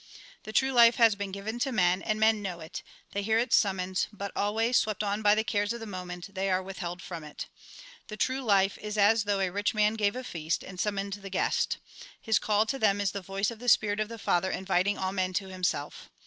The true life has been given to men, and men know it, they hear its summons, but, always swept on by the cares of the moment, they are with held from it. The true life is as though a rich man gave a feast, and summoned the guests. His call to them is the voice of the Spirit of the Father inviting all men to Himself.